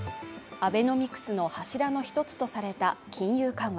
アベノミクスの柱の一つとされた金融緩和。